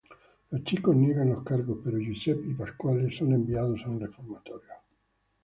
Los chicos niegan los cargos pero Giuseppe y Pasquale son enviados a un reformatorio.